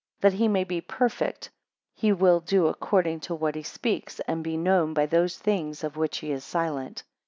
That he may be perfect, he will do according to what he speaks, and be known by those things of which he is silent.